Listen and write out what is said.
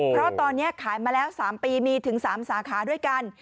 เพราะตอนนี้ขายมาแล้ว๓ปีมีถึง๓สาขาด้วยกัน